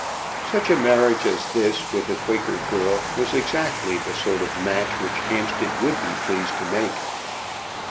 Such a marriage as this with the Quaker girl was exactly the sort of match which Hampstead would be pleased to make.